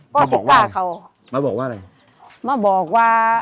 ก็ฆื้อก้าเขามาบอกว่าละมาบอกว่า